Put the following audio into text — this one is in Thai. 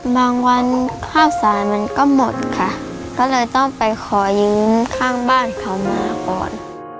บางวันข้าวสารมันก็หมดค่ะก็เลยต้องไปขอยืมข้างบ้านเขามาก่อน